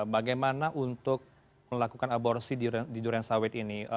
bagaimana untuk melakukan aborsi di duriansawit ini